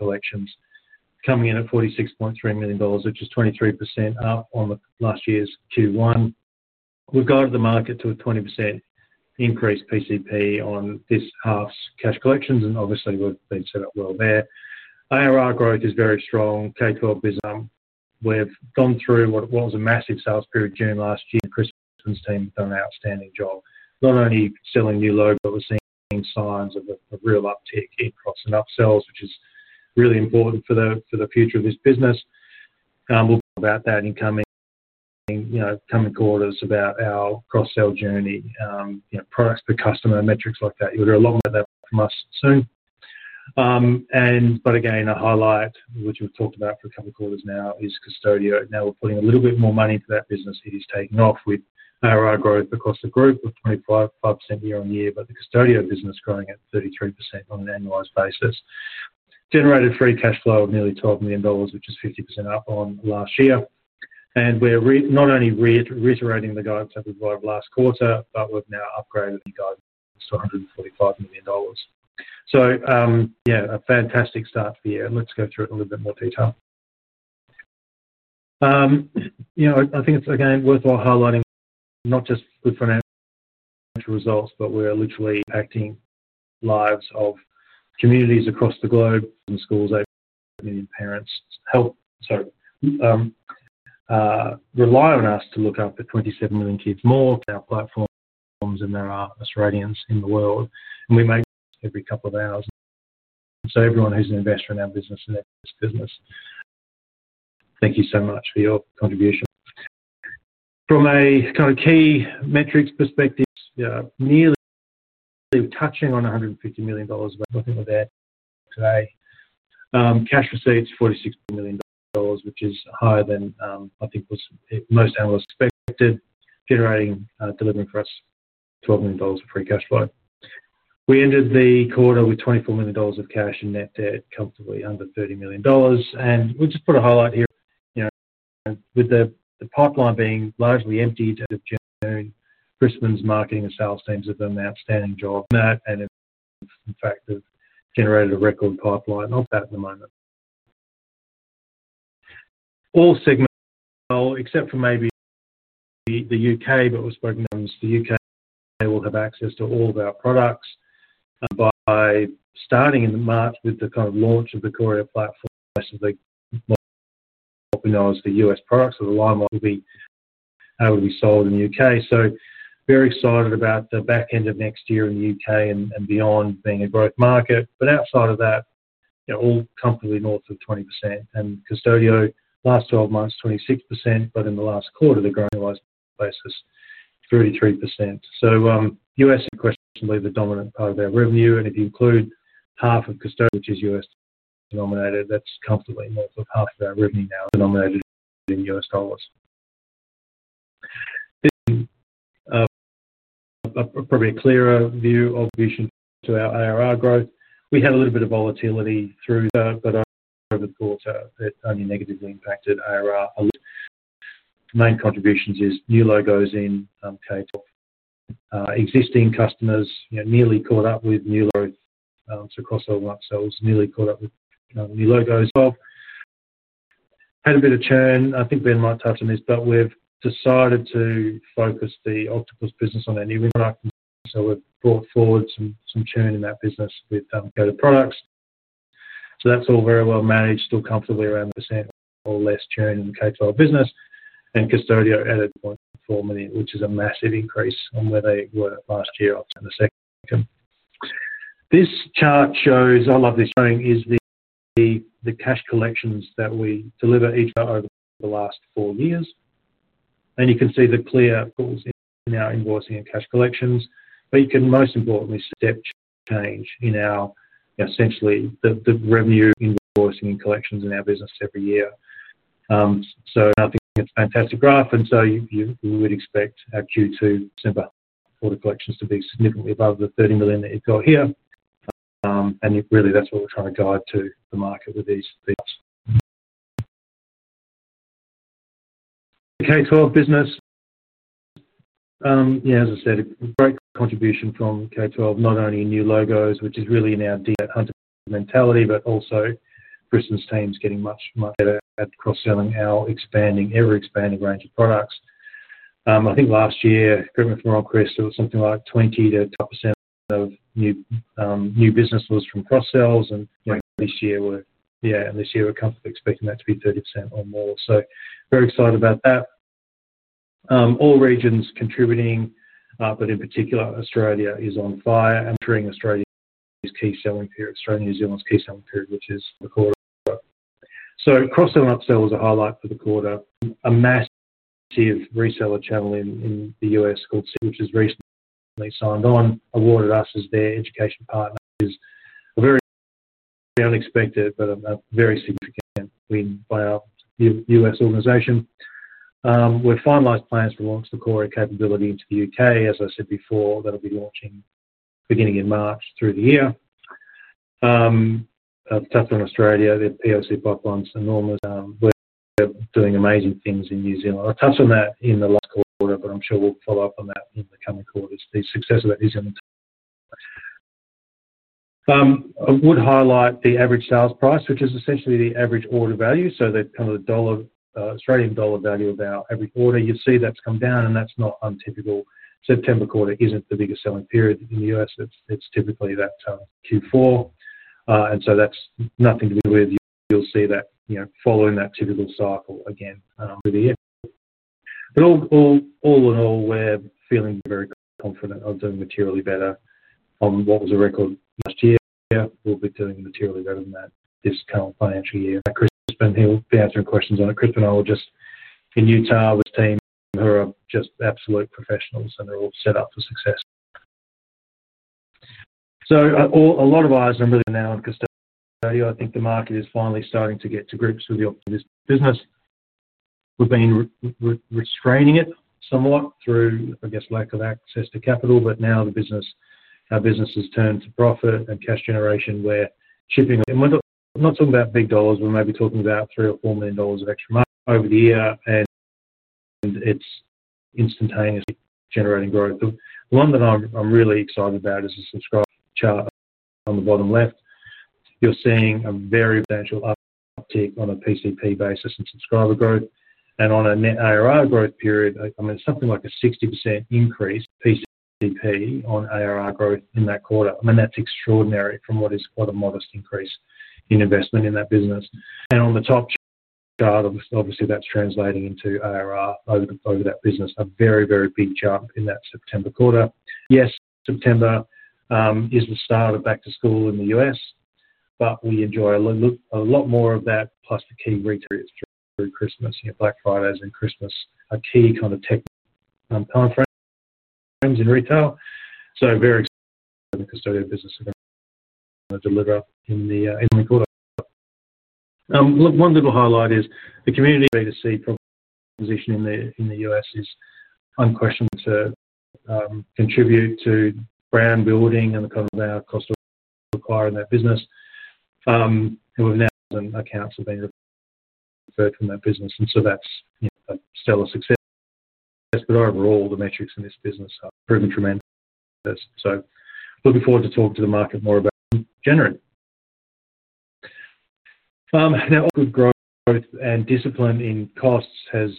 Collections coming in at 46.3 million dollars, which is 23% up on last year's Q1. We've got the market to a 20% increase PCP on this half's cash collections, and obviously we've been set up well there. Our growth is very strong. K-12 business. We've gone through what was a massive sales period in June last year. Crispin's team has done an outstanding job, not only selling new logos, but we're seeing signs of a real uptick in cross-sells, which is really important for the future of this business. We'll talk about that in the coming quarters about our cross-sell journey, you know, products per customer, metrics like that. You'll hear a lot more about that from us soon. A highlight which we've talked about for a couple of quarters now is Qustodio. Now we're putting a little bit more money into that business. It is taking off with our growth across the group of 25% year on year, but the Qustodio business is growing at 33% on an annualized basis. Generated free cash flow of nearly 12 million dollars, which is 50% up on last year. We're not only reiterating the guidance that we provided last quarter, but we've now upgraded the guidance to 145 million dollars. A fantastic start to the year. Let's go through it in a little bit more detail. I think it's again worthwhile highlighting not just good financial results, but we're literally impacting the lives of communities across the globe. Schools, 8 million parents rely on us to look after 27 million kids more. Our platforms, and there are Australians in the world. We make every couple of hours, so everyone who's an investor in our business and their business. Thank you so much for your contribution. From a kind of key metrics perspective, we're touching on 150 million dollars. Nothing we're there today. Cash receipts, 46 million dollars, which is higher than I think most analysts expected, delivering for us 12 million dollars of free cash flow. We ended the quarter with 24 million dollars of cash and net debt comfortably under 30 million dollars. We'll just put a highlight here, with the pipeline being largely emptied at the end of June, Crispin's marketing and sales teams have done an outstanding job. In fact, they've generated a record pipeline. Not bad at the moment. All segments, except for maybe the U.K., but we've spoken about the U.K. will have access to all of our products. By starting in March with the kind of launch of the Qoria platform, most of the U.S. products of the line will be sold in the U.K. Very excited about the backend of next year in the U.K. and beyond being a growth market. Outside of that, all comfortably north of 20%. Qustodio, last 12 months, 26%, but in the last quarter, they've grown on an annualized basis 33%. U.S. is questionably the dominant part of our revenue. If you include half of Qustodio, which is U.S. denominated, that's comfortably north of half of our revenue now denominated in U.S. dollars. This is probably a clearer view of contribution to our ARR growth. We had a little bit of volatility through that, but over the quarter, it only negatively impacted ARR. The main contributions are new logos in K-12. Existing customers nearly caught up with new logos across all of our sales, nearly caught up with new logos. We've had a bit of churn. I think Ben might touch on this, but we've decided to focus the Octopus BI business on their new product. We've brought forward some churn in that business with Kodak products. That's all very well managed, still comfortably around 1% or less churn in the K-12 business. Qustodio added 4.4 million, which is a massive increase from where they were last year in the second quarter. This chart shows, I love this drawing, is the cash collections that we deliver each over the last four years. You can see the clear calls in our invoicing and cash collections. You can most importantly see the depth change in our, essentially, the revenue invoicing and collections in our business every year. I think it's a fantastic graph. You would expect our Q2 December quarter collections to be significantly above the 30 million that you've got here. That's what we're trying to guide to the market with these cuts. The K-12 business, as I said, a great contribution from K-12, not only in new logos, which is really in our dead hunting mentality, but also Crispin's team is getting much, much better at cross-selling our ever-expanding range of products. I think last year, equipment for on-call, it was something like 20%-25% of new business was from cross-sells. This year, we're comfortable expecting that to be 30% or more. Very excited about that. All regions contributing, but in particular, Australia is on fire. During Australia's key selling period, Australia and New Zealand's key selling period, which is the quarter, cross-sell and upsell was a highlight for the quarter. A massive reseller channel in the U.S. called CDW, which has recently signed on, awarded us as their education partner, which is a very unexpected, but a very significant win by our U.S. organization. We've finalized plans for launching the Qoria capability into the UK. As I said before, that'll be launching beginning in March through the year. I'll touch on Australia. Their POC pipeline is enormous. We're doing amazing things in New Zealand. I'll touch on that in the last quarter, but I'm sure we'll follow up on that in the coming quarters, the success of that New Zealand. I would highlight the average sales price, which is essentially the average order value. The Australian dollar value of every order, you'll see that's come down. That's not untypical. September quarter isn't the biggest selling period in the U.S. It's typically that Q4. That's nothing to do with it. You'll see that following that typical cycle again through the year. All in all, we're feeling very confident of doing materially better on what was a record last year. We'll be doing materially better than that this current financial year. Crispin, he'll be answering questions on it. Crispin and I were just in Utah with his team, who are just absolute professionals, and they're all set up for success. A lot of eyes are really now on Qustodio. I think the market is finally starting to get to grips with the business. We've been restraining it somewhat through, I guess, lack of access to capital. Now the business, our business has turned to profit and cash generation. We're shipping, and we're not talking about big dollars. We're maybe talking about 3 million or 4 million dollars of extra money over the year, and it's instantaneously generating growth. The one that I'm really excited about is the subscriber chart on the bottom left. You're seeing a very substantial uptick on a PCP basis in subscriber growth. On a net ARR growth period, it's something like a 60% increase PCP on IRR growth in that quarter. That's extraordinary from what is quite a modest increase in investment in that business. On the top chart, obviously, that's translating into ARR over that business. A very, very big jump in that September quarter. Yes, September is the start of back to school in the U.S., but we enjoy a lot more of that, plus the key retail periods through Christmas, you know, Black Fridays, and Christmas, a key kind of tech timeframes in retail. Very excited about the Qustodio business is going to deliver in the coming quarter. One little highlight is the community B2C proposition in the U.S. is unquestioned to contribute to brand building and the kind of our cost of acquiring that business. We've now, thousand accounts have been referred from that business. That's a stellar success. Overall, the metrics in this business have proven tremendous. Looking forward to talking to the market more about generally. Good growth and discipline in costs has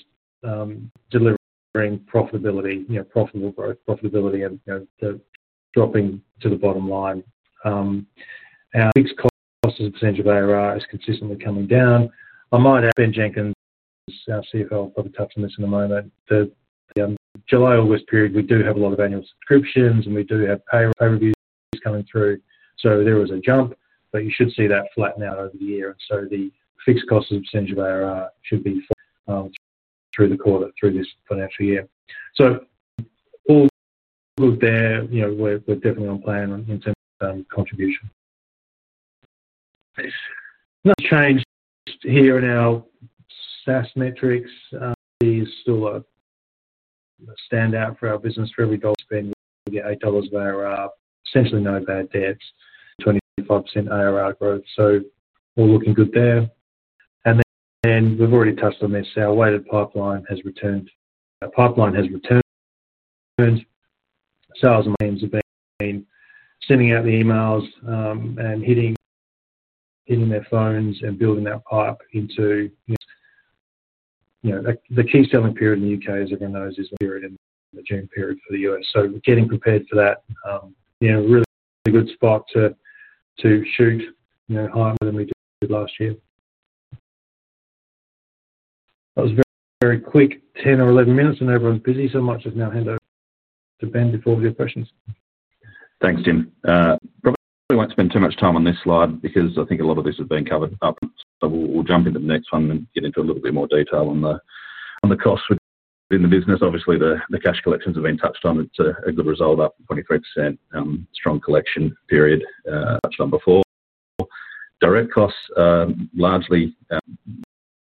delivered profitability, you know, profitable growth, profitability, and you know, the dropping to the bottom line. Our fixed cost as a potential ARR is consistently coming down. I might add Ben Jenkins, our CFO, will probably touch on this in a moment. The July-August period, we do have a lot of annual subscriptions, and we do have pay reviews coming through. There was a jump, but you should see that flatten out over the year. The fixed cost as a percentage of ARR should be flat through the quarter, through this financial year. All good there. We're definitely on plan in terms of contribution. Nothing's changed here in our SaaS metrics. It is still a standout for our business. For every dollar spent, we get 8 dollars of ARR, essentially no bad debts, 25% ARR growth. We're looking good there. We've already touched on this. Our weighted pipeline has returned. Our pipeline has returned. Sales teams have been sending out the emails and hitting their phones and building that pipe into, you know, the key selling period in the UK, as everyone knows, is the period in the June period for the U.S. We're getting prepared for that. Really a good spot to shoot higher than we did last year. That was a very quick 10 or 11 minutes, and everyone's busy. I might just now hand over to Ben before we go to questions. Thanks, Tim. Probably won't spend too much time on this slide because I think a lot of this has been covered up. We'll jump into the next one and get into a little bit more detail on the costs within the business. Obviously, the cash collections have been touched on. It's a good result, up 23%, strong collection period, touched on before. Direct costs largely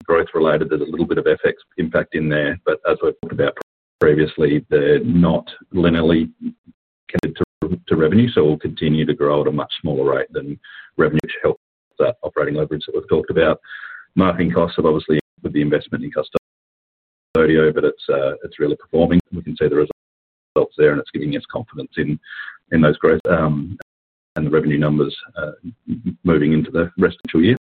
growth-related. There's a little bit of FX impact in there, but as we've talked about previously, they're not linearly connected to revenue. We'll continue to grow at a much smaller rate than revenue, which helps that operating leverage that we've talked about. Marketing costs have obviously increased with the investment in Qustodio, but it's really performing. We can see the results there, and it's giving us confidence in those growth and the revenue numbers moving into the rest of the year.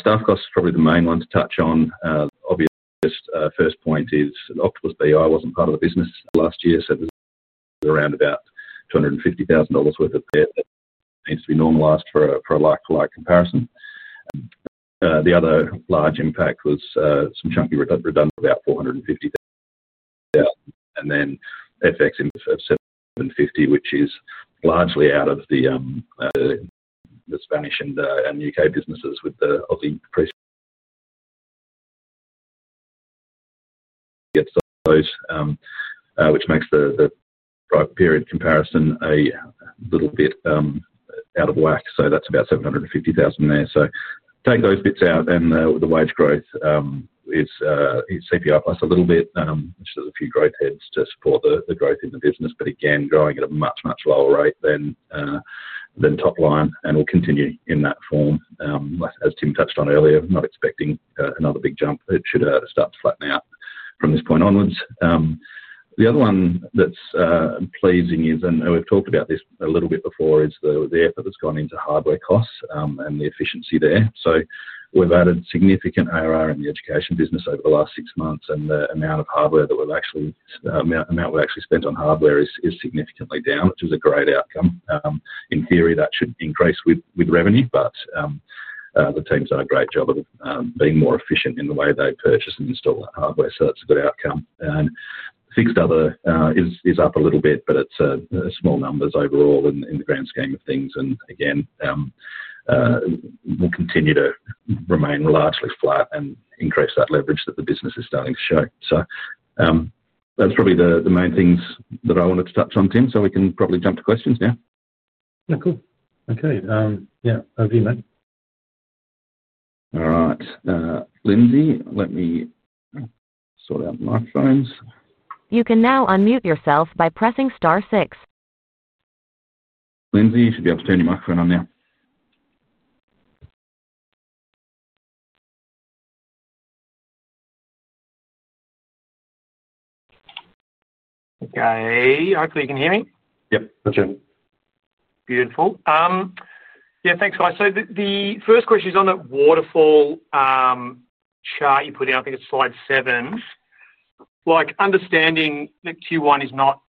Staff costs is probably the main one to touch on. The obvious first point is that Octopus BI wasn't part of the business last year, so there's around about 250,000 dollars worth of debt needs to be normalized for a like-to-like comparison. The other large impact was some chunky redundancies, about 450,000. Then FX of 750,000, which is largely out of the Spanish and UK businesses with the obviously increased rates. It gets those, which makes the prior period comparison a little bit out of whack. That's about 750,000 there. Take those bits out, and the wage growth is CPI plus a little bit, which has a few growth heads to support the growth in the business, but again, growing at a much, much lower rate than top line. We'll continue in that form. As Tim touched on earlier, not expecting another big jump. It should start to flatten out from this point onwards. The other one that's pleasing is, and we've talked about this a little bit before, is the effort that's gone into hardware costs and the efficiency there. We've added significant ARR in the education business over the last six months, and the amount we've actually spent on hardware is significantly down, which is a great outcome. In theory, that should increase with revenue, but the teams have done a great job of being more efficient in the way they purchase and install that hardware. That's a good outcome. Fixed other is up a little bit, but it's small numbers overall in the grand scheme of things. We'll continue to remain largely flat and increase that leverage that the business is starting to show. That's probably the main things that I wanted to touch on, Tim. We can probably jump to questions now. Yeah, cool. Okay, over to you, mate. All right, Lindsay, let me sort out my phones. You can now unmute yourself by pressing star six. Lindsay, you should be able to turn your microphone on now. Okay, I hope you can hear me. Yep, got you. Beautiful. Yeah, thanks, guys. The first question is on that waterfall chart you put in. I think it's slide seven. Like understanding that Q1 is not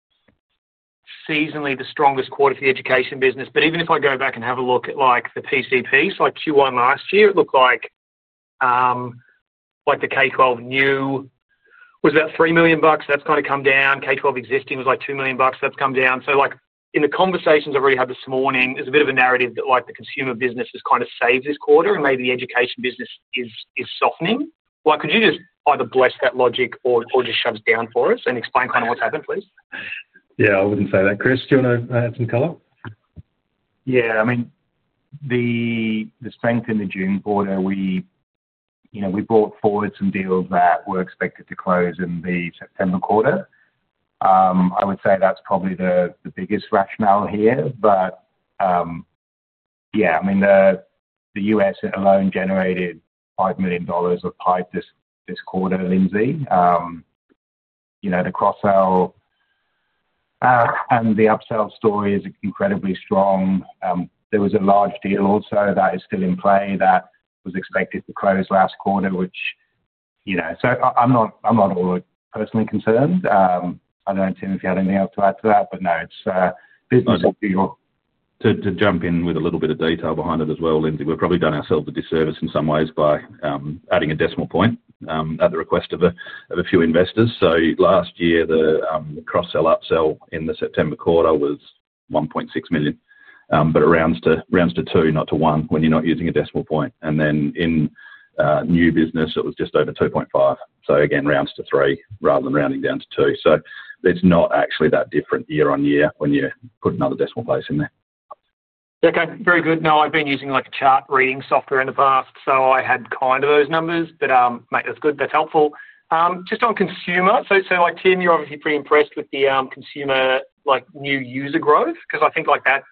seasonally the strongest quarter for the education business. Even if I go back and have a look at the PCP, so like Q1 last year, it looked like the K-12 new was about 3 million bucks. That's kind of come down. K-12 existing was like 2 million bucks. That's come down. In the conversations I've already had this morning, there's a bit of a narrative that the consumer business has kind of saved this quarter and maybe the education business is softening. Could you just either bless that logic or just shut it down for us and explain kind of what's happened, please? Yeah, I wouldn't say that. Cris, do you want to add some color? Yeah, I mean, the strength in the June quarter, we brought forward some deals that were expected to close in the September quarter. I would say that's probably the biggest rationale here. Yeah, I mean, the U.S. alone generated $5 million of pipe this quarter, Lindsay. You know, the cross-sell and the upsell story is incredibly strong. There was a large deal also that is still in play that was expected to close last quarter, which you know, so I'm not all personally concerned. I don't know, Tim, if you had anything else to add to that. No, it's business as usual. To jump in with a little bit of detail behind it as well, Lindsay, we've probably done ourselves a disservice in some ways by adding a decimal point at the request of a few investors. Last year, the cross-sell upsell in the September quarter was 1.6 million. It rounds to 2 million, not to 1 million when you're not using a decimal point. In new business, it was just over 2.5 million, which again rounds to 3 million rather than rounding down to 2 million. It's not actually that different year on year when you put another decimal place in there. Okay, very good. No, I've been using like a chart reading software in the past, so I had kind of those numbers. That's good. That's helpful. Just on consumer, Tim, you're obviously pretty impressed with the consumer new user growth because I think that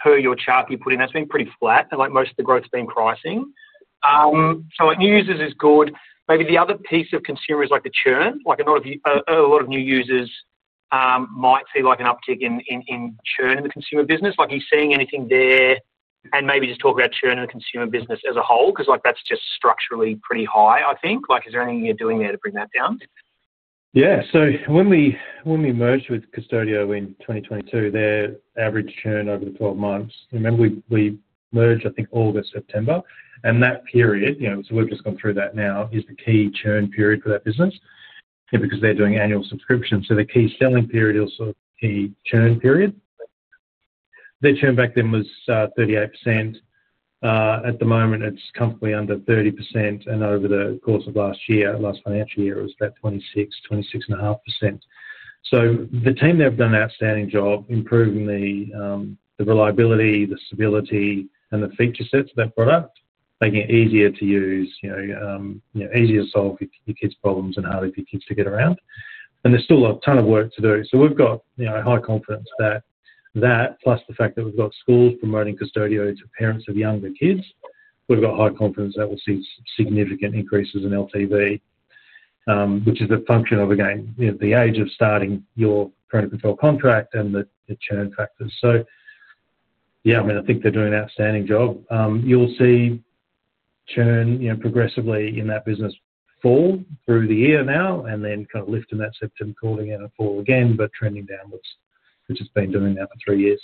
per your chart you put in, that's been pretty flat, and most of the growth's been pricing. New users is good. Maybe the other piece of consumer is the churn. A lot of new users might see an uptick in churn in the consumer business. Are you seeing anything there? Maybe just talk about churn in the consumer business as a whole because that's just structurally pretty high, I think. Is there anything you're doing there to bring that down? Yeah, so when we merged with Qustodio in 2022, their average churn over the 12 months, remember we merged, I think, August, September. That period, you know, we've just gone through that now, is the key churn period for that business because they're doing annual subscriptions. The key selling period is also a key churn period. Their churn back then was 38%. At the moment, it's comfortably under 30%. Over the course of last year, last financial year, it was about 26%, 26.5%. The team there have done an outstanding job improving the reliability, the stability, and the feature sets of that product, making it easier to use, easier to solve your kids' problems and harder for your kids to get around. There's still a ton of work to do. We've got a high confidence that that, plus the fact that we've got schools promoting Qustodio to parents of younger kids, we've got high confidence that we'll see significant increases in LTV, which is a function of, again, the age of starting your parental control contract and the churn factors. I think they're doing an outstanding job. You'll see churn progressively in that business fall through the year now and then kind of lift in that September quarter and it fall again, but trending downwards, which it's been doing now for three years.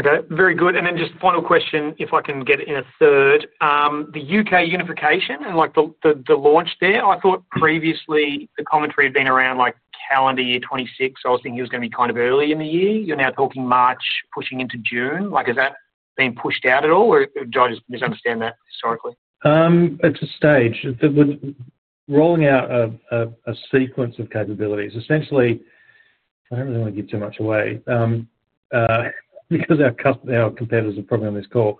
Okay, very good. Just final question, if I can get it in a third. The UK unification and the launch there, I thought previously the commentary had been around calendar year 2026. I was thinking it was going to be kind of early in the year. You're now talking March pushing into June. Has that been pushed out at all, or did I just misunderstand that historically? It's a stage. We're rolling out a sequence of capabilities. Essentially, I don't really want to give too much away because our competitors are probably on this call.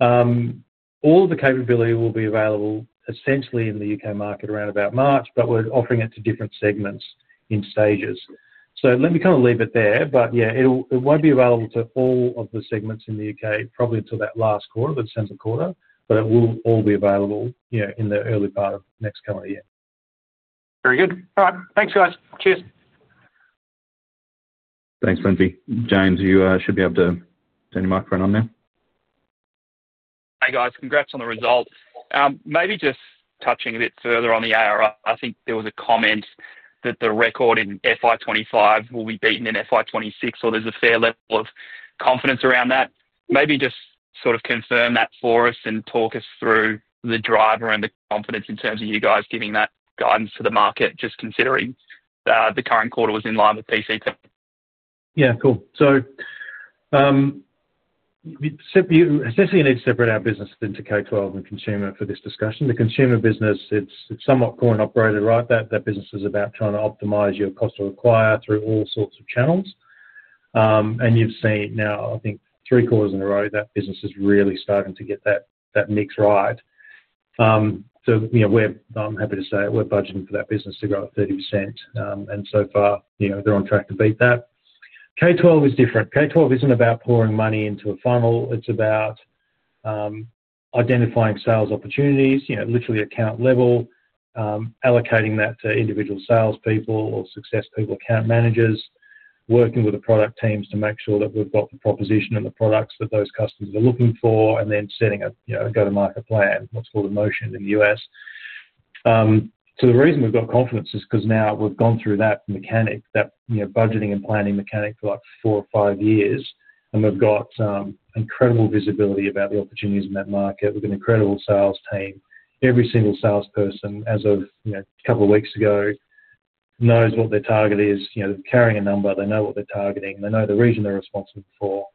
All of the capability will be available essentially in the UK market around about March, but we're offering it to different segments in stages. Let me kind of leave it there. Yeah, it won't be available to all of the segments in the UK probably until that last quarter, that sense of quarter. It will all be available, you know, in the early part of next calendar year. Very good. All right. Thanks, guys. Cheers. Thanks, Lindsay. James, you should be able to turn your microphone on now. Hey, guys. Congrats on the result. Maybe just touching a bit further on the ARR. I think there was a comment that the record in FY 2025 will be beaten in FY 2026, so there's a fair level of confidence around that. Maybe just sort of confirm that for us and talk us through the driver and the confidence in terms of you guys giving that guidance to the market, just considering the current quarter was in line with PCP. Yeah, cool. Essentially, you need to separate our business into K-12 and consumer for this discussion. The consumer business, it's somewhat core and operated, right? That business is about trying to optimize your cost to acquire through all sorts of channels. You've seen now, I think, three quarters in a row, that business is really starting to get that mix right. I'm happy to say we're budgeting for that business to grow at 30%, and so far, they're on track to beat that. K-12 is different. K-12 isn't about pouring money into a funnel. It's about identifying sales opportunities, literally account level, allocating that to individual salespeople or success people, account managers, working with the product teams to make sure that we've got the proposition and the products that those customers are looking for, and then setting a go-to-market plan, what's called a motion in the U.S. The reason we've got confidence is because now we've gone through that mechanic, that budgeting and planning mechanic for like four or five years, and we've got incredible visibility about the opportunities in that market. We've got an incredible sales team. Every single salesperson, as of a couple of weeks ago, knows what their target is. They're carrying a number. They know what they're targeting, and they know the region they're responsible for.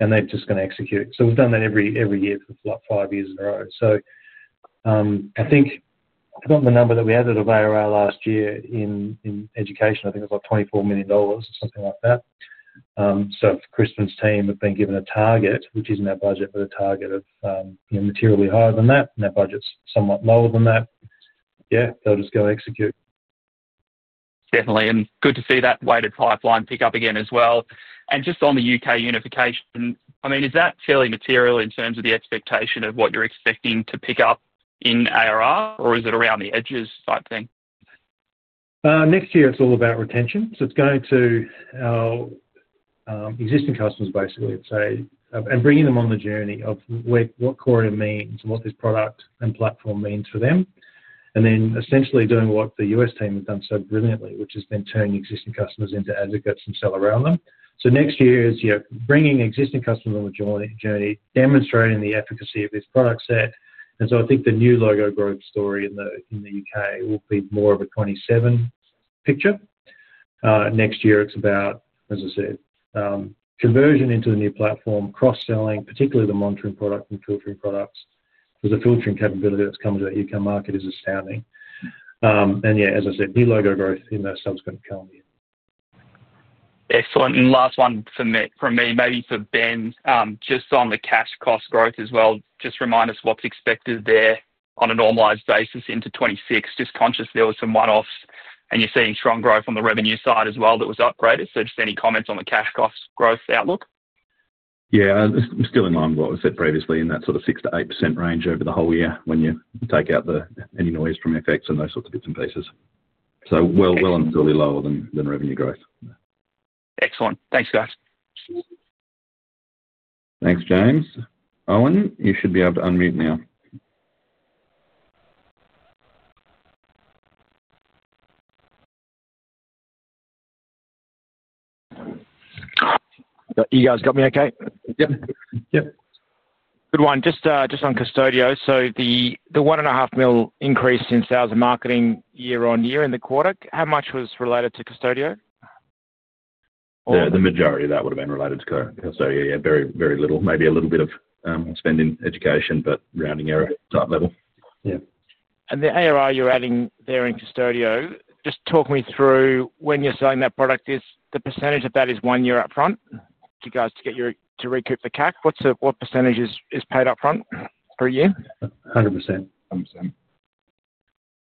They're just going to execute it. We've done that every year for like five years in a row. I thought the number that we added of ARR last year in education, I think it was like 24 million dollars or something like that. Crispin's team have been given a target, which isn't our budget, but a target of materially higher than that. Our budget's somewhat lower than that. They'll just go execute. Definitely. Good to see that weighted pipeline pick up again as well. Just on the UK unification, is that fairly material in terms of the expectation of what you're expecting to pick up in ARR, or is it around the edges type thing? Next year, it's all about retention. It's going to our existing customers, basically, and bringing them on the journey of what Qoria means and what this product and platform mean for them. Essentially, doing what the U.S. team has done so brilliantly, which has been turn existing customers into advocates and sell around them. Next year is bringing existing customers on the journey, demonstrating the efficacy of this product set. I think the new logo growth story in the UK will be more of a 2027 picture. Next year, it's about, as I said, conversion into the new platform, cross-selling, particularly the monitoring product and filtering products. The filtering capability that's come to that UK market is astounding. As I said, new logo growth in the subsequent calendar year. Excellent. Last one from me, maybe for Ben, just on the cash cost growth as well. Just remind us what's expected there on a normalized basis into 2026. I'm just conscious there were some one-offs, and you're seeing strong growth on the revenue side as well that was upgraded. Just any comments on the cash cost growth outlook? I'm still in line with what I said previously in that sort of 6%-8% range over the whole year when you take out any noise from FX and those sorts of bits and pieces. Really lower than revenue growth. Excellent. Thanks, guys. Thanks, James. Owen, you should be able to unmute now. You guys got me okay? Yep. Yep. Good one. Just on Qustodio, the 1.5 million increase in sales and marketing year on year in the quarter, how much was related to Qustodio? The majority of that would have been related to Qustodio. Very, very little. Maybe a little bit of spend in education, but rounding error type level. The ARR you're adding there in Qustodio, just talk me through when you're selling that product. The percentage of that is one year upfront? Do you guys get your to recoup the CAC? What percentage is paid upfront per year? 100%. 100%.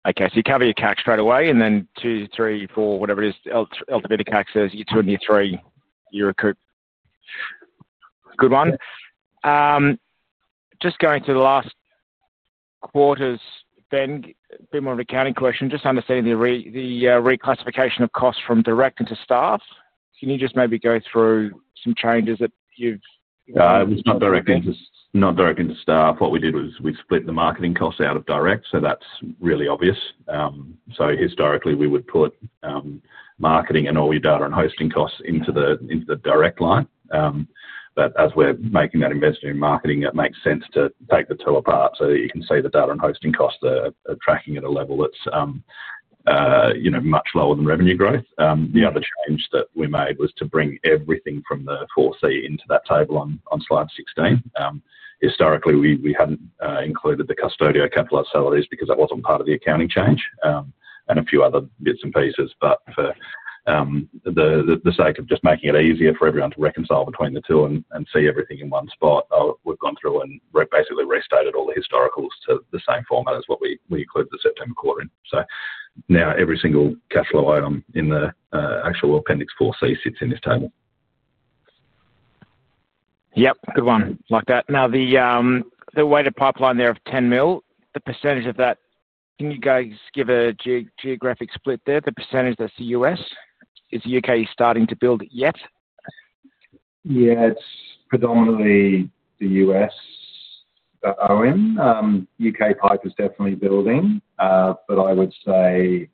Okay. You cover your CACs straight away, and then two, three, four, whatever it is, LTV to CAC says you're two and you're three, you recoup. Good one. Just going to the last quarters, Ben, a bit more of an accounting question. Just understanding the reclassification of costs from direct into staff. Can you just maybe go through some changes that you've? It's not direct into staff. What we did was we split the marketing costs out of direct. That's really obvious. Historically, we would put marketing and all your data and hosting costs into the direct line. As we're making that investment in marketing, it makes sense to take the two apart so that you can see the data and hosting costs are tracking at a level that's much lower than revenue growth. The other change that we made was to bring everything from the 4C into that table on slide 16. Historically, we hadn't included the Qustodio capital salaries because that wasn't part of the accounting change and a few other bits and pieces. For the sake of just making it easier for everyone to reconcile between the two and see everything in one spot, we've gone through and basically restated all the historicals to the same format as what we include the September quarter in. Now every single cash flow item in the actual Appendix 4C sits in this table. Yep. Good one. I like that. Now, the weighted pipeline there of 10 million, the percentage of that, can you guys give a geographic split there? The percentage that's the U.S., is the UK starting to build it yet? Yeah, it's predominantly the U.S., Owen. U.K. pipe is definitely building. I would say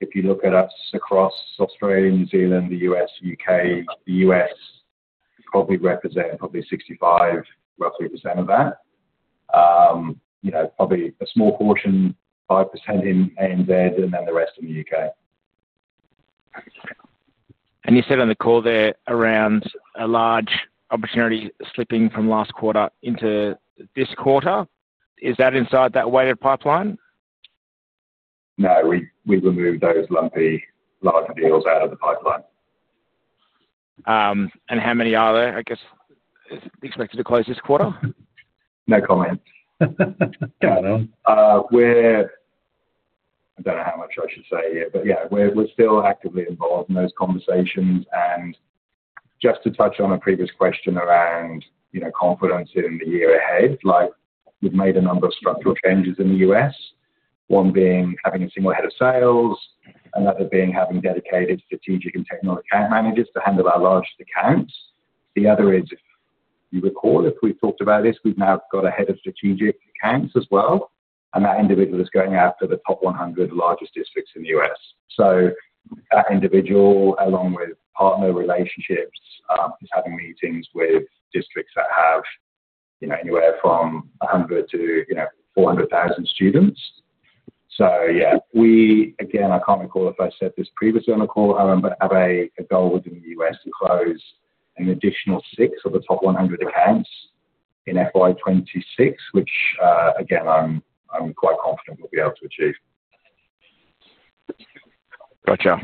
if you look at us across Australia, New Zealand, the U.S., U.K., the U.S., we probably represent probably 65% of that. You know, probably a small portion, 5% in ANZ, and then the rest in the U.K. You said on the call there around a large opportunity slipping from last quarter into this quarter. Is that inside that weighted pipeline? No, we remove those lumpy, larger deals out of the pipeline. How many are there, I guess, expected to close this quarter? No comment. I don't know how much I should say here, but yeah, we're still actively involved in those conversations. Just to touch on a previous question around confidence in the year ahead, we've made a number of structural changes in the U.S., one being having a single Head of Sales, another being having dedicated strategic and technical account managers to handle our largest accounts. The other is, if you recall, if we've talked about this, we've now got a Head of Strategic Accounts as well. That individual is going after the top 100 largest districts in the U.S. That individual, along with partner relationships, is having meetings with districts that have anywhere from 100,000 to 400,000 students. I can't recall if I said this previously on a call, but we have a goal within the U.S. to close an additional six of the top 100 accounts in FY 2026, which I'm quite confident we'll be able to achieve. Gotcha.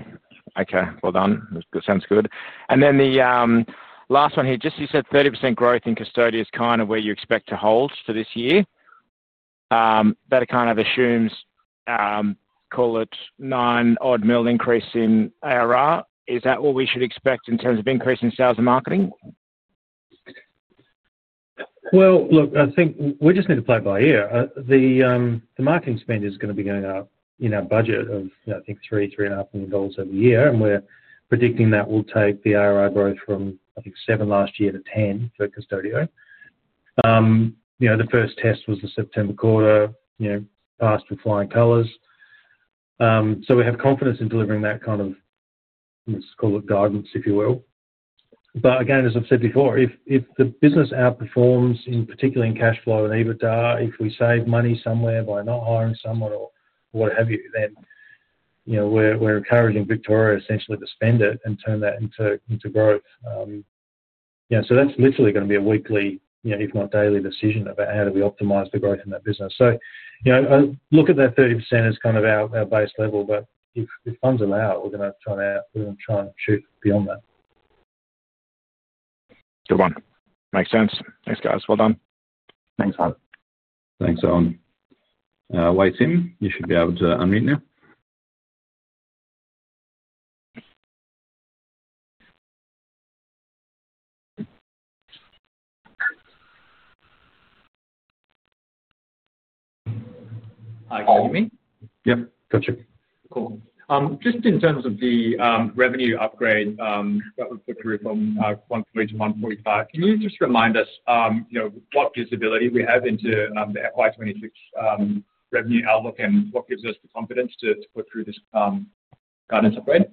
Okay. That sounds good. The last one here, just you said 30% growth in Qustodio is kind of where you expect to hold for this year. That kind of assumes, call it, 9 million-odd increase in ARR. Is that all we should expect in terms of increase in sales and marketing? I think we just need to play it by ear. The marketing spend is going to be going up in our budget of, I think, 3 million dollars, AUD 3.5 million over the year. We're predicting that will take the ARR growth from, I think, 7 last year to 10 for Qustodio. The first test was the September quarter, passed with flying colors. We have confidence in delivering that kind of, let's call it, guidance, if you will. As I've said before, if the business outperforms, in particular in cash flow and EBITDA, if we save money somewhere by not hiring someone or what have you, then we're encouraging Victoria essentially to spend it and turn that into growth. That's literally going to be a weekly, if not daily, decision about how do we optimize the growth in that business. I look at that 30% as kind of our base level, but if funds allow, we're going to try and shoot beyond that. Good one. Makes sense. Thanks, guys. Well done. Thanks, Matt. Thanks, Owen. Tim, you should be able to unmute now. Hi, can you hear me? Yep, got you. Cool. Just in terms of the revenue upgrade that we put through from 143 million to 45 million, can you just remind us what visibility we have into the FY 2026 revenue outlook and what gives us the confidence to put through this guidance upgrade?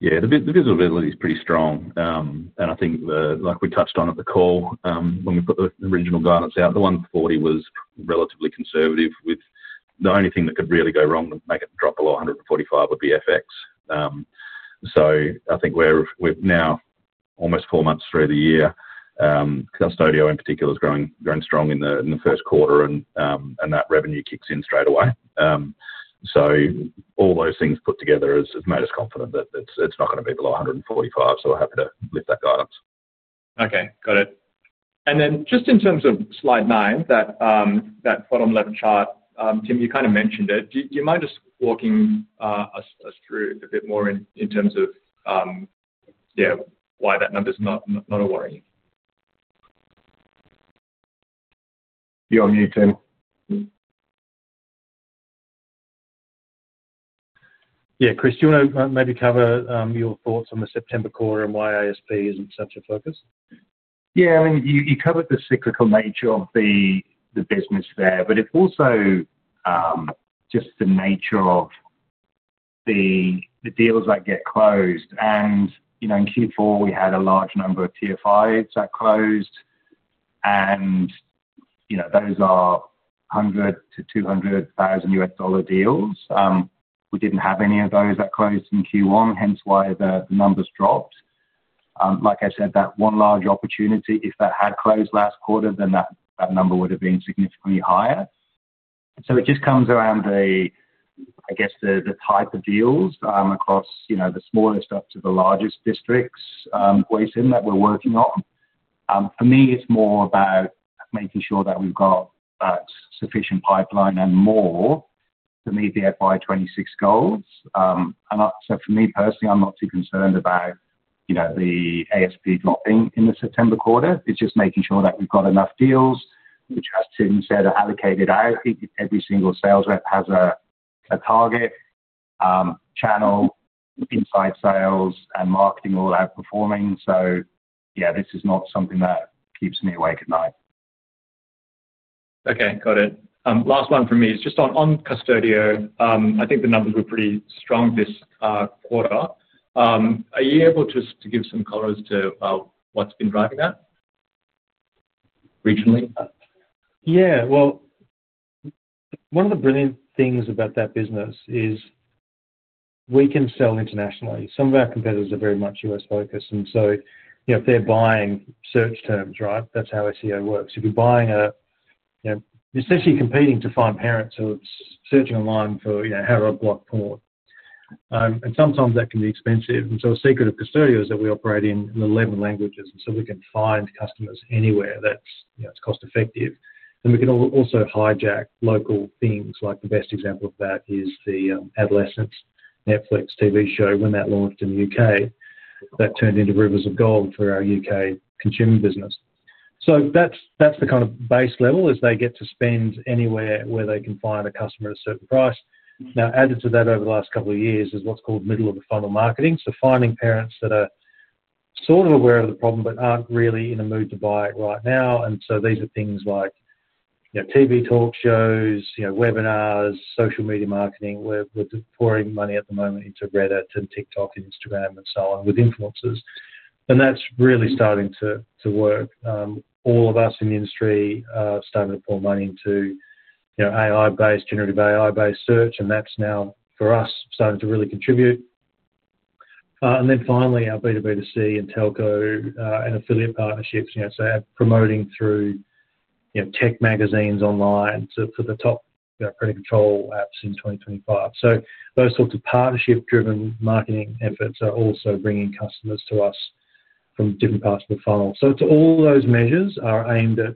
Yeah, the visibility is pretty strong. I think, like we touched on at the call, when we put the original guidance out, the 140 million was relatively conservative with the only thing that could really go wrong to make it drop below 145 million would be FX. I think we're now almost four months through the year. Qustodio in particular is growing strong in the first quarter, and that revenue kicks in straight away. All those things put together have made us confident that it's not going to be below 145 million. We're happy to lift that guidance. Okay. Got it. In terms of slide nine, that bottom left chart, Tim, you kind of mentioned it. Do you mind just walking us through a bit more in terms of why that number's not a worry? You're on mute, Tim. Yeah, Cris, do you want to maybe cover your thoughts on the September quarter and why ASP isn't such a focus? Yeah, I mean, you covered the cyclical nature of the business there. It's also just the nature of the deals that get closed. In Q4, we had a large number of TFIs that closed. Those are $100,000-$200,000 deals. We didn't have any of those that closed in Q1, hence why the numbers dropped. Like I said, that one large opportunity, if that had closed last quarter, then that number would have been significantly higher. It just comes around the, I guess, the type of deals across the smallest up to the largest districts, [Qoria], that we're working on. For me, it's more about making sure that we've got a sufficient pipeline and more to meet the FY 2026 goals. For me personally, I'm not too concerned about the ASP dropping in the September quarter. It's just making sure that we've got enough deals, which, as Tim said, are allocated out. Every single sales rep has a target channel, inside sales, and marketing all outperforming. This is not something that keeps me awake at night. Okay. Got it. Last one from me is just on Qustodio. I think the numbers were pretty strong this quarter. Are you able to give some color to what's been driving that regionally? Yeah, one of the brilliant things about that business is we can sell internationally. Some of our competitors are very much U.S.-focused. If they're buying search terms, that's how SEO works. If you're buying a, you know, essentially competing to find parents who are searching online for, you know, how to unblock porn, sometimes that can be expensive. A secret of Qustodio is that we operate in 11 languages, so we can find customers anywhere that's cost-effective. We can also hijack local things. The best example of that is the adolescent Netflix TV show. When that launched in the UK, that turned into rivers of gold for our UK consumer business. That's the kind of base level, they get to spend anywhere where they can find a customer at a certain price. Added to that over the last couple of years is what's called middle of the funnel marketing, so finding parents that are sort of aware of the problem but aren't really in a mood to buy it right now. These are things like TV talk shows, webinars, social media marketing. We're pouring money at the moment into Reddit and TikTok and Instagram and so on with influencers, and that's really starting to work. All of us in the industry are starting to pour money into AI-based, generative AI-based search, and that's now for us starting to really contribute. Finally, our B2B, B2C and telco and affiliate partnerships, promoting through tech magazines online for the top parental control apps in 2025, those sorts of partnership-driven marketing efforts are also bringing customers to us from different parts of the funnel. All those measures are aimed at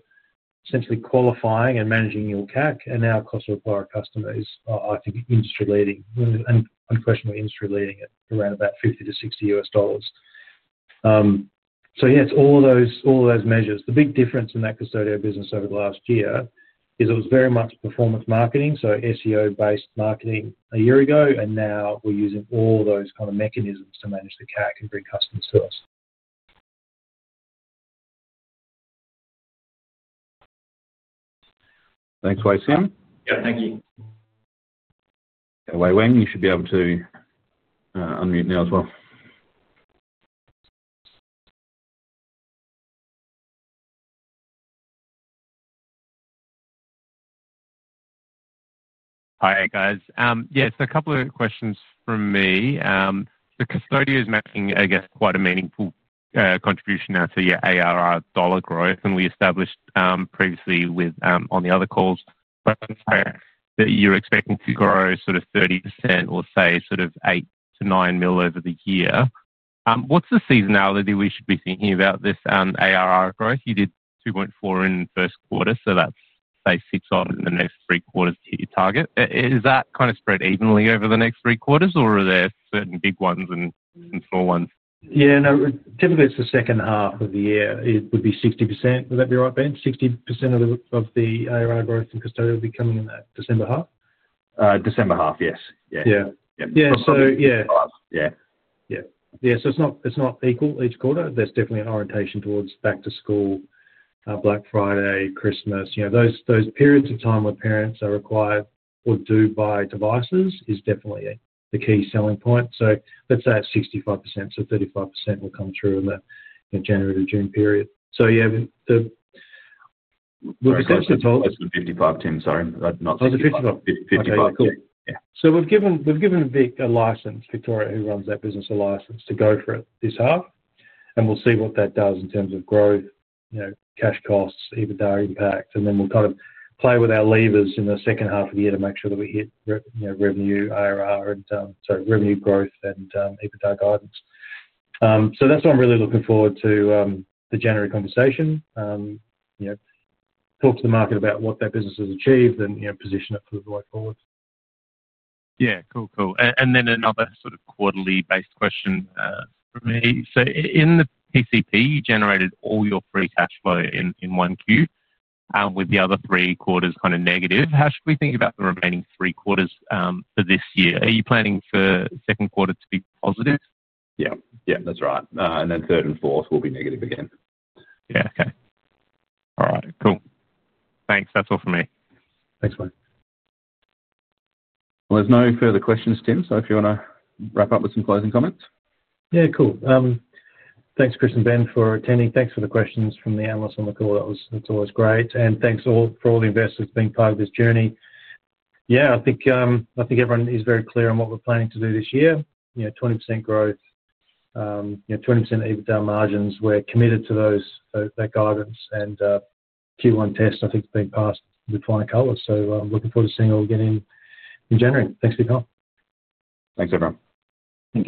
essentially qualifying and managing your CAC. Now, cost of acquiring customers are, I think, industry-leading and unquestionably industry-leading at around $50 to $60. It's all of those measures. The big difference in that Qustodio business over the last year is it was very much performance marketing, so SEO-based marketing a year ago. Now we're using all those kinds of mechanisms to manage the CAC and bring customers to us. Thanks, Wei Sin. Thank you. Yeah, Wei Wang, you should be able to unmute now as well. Hi, guys. Yeah, a couple of questions from me. Qustodio is making, I guess, quite a meaningful contribution now to your ARR dollar growth. We established previously on the other calls that you're expecting to grow sort of 30% or say sort of 8 million-9 million over the year. What's the seasonality we should be thinking about this ARR growth? You did 2.4 million in the first quarter, so that's, say, 6 million out of the next three quarters to hit your target. Is that kind of spread evenly over the next three quarters, or are there certain big ones and some small ones? Yeah, no, typically it's the second half of the year. It would be 60%. Would that be right, Ben? 60% of the ARR growth in Qustodio would be coming in that December half? December half, yes. Yeah. Yeah, so it's not equal each quarter. There's definitely an orientation towards back to school, Black Friday, Christmas. Those periods of time where parents are required or do buy devices is definitely the key selling point. Let's say it's 65%. 35% will come through in the January to June period. We've essentially told. That's the 55, Tim. Sorry. No, the 55. 55. Cool. Yeah. We've given Victoria, who runs that business, a license to go for it this half. We'll see what that does in terms of growth, cash costs, EBITDA impact. We'll kind of play with our levers in the second half of the year to make sure that we hit revenue growth and EBITDA guidance. That's what I'm really looking forward to, the January conversation, to talk to the market about what that business has achieved and position it for the way forward. Yeah, cool. Another sort of quarterly-based question for me. In the PCP, you generated all your free cash flow in Q1, with the other three quarters kind of negative. How should we think about the remaining three quarters for this year? Are you planning for the second quarter to be positive? Yeah, that's right. Third and fourth will be negative again. Okay. All right, cool. Thanks. That's all for me. Thanks, Wang. There are no further questions, Tim. If you want to wrap up with some closing comments. Yeah, cool. Thanks, Cris and Ben, for attending. Thanks for the questions from the analysts on the call. That's always great. Thanks all for all the investors being part of this journey. I think everyone is very clear on what we're planning to do this year. You know, 20% growth, 20% EBITDA margins. We're committed to that guidance. Q1 test, I think, is being passed with flying colors. I'm looking forward to seeing it all again in January. Thanks, Victoria. Thanks, everyone.